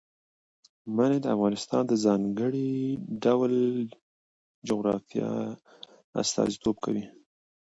منی د افغانستان د ځانګړي ډول جغرافیه استازیتوب کوي.